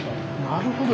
なるほど。